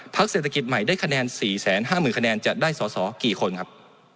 เศรษฐกิจใหม่ได้คะแนน๔๕๐๐๐คะแนนจะได้สอสอกี่คนครับ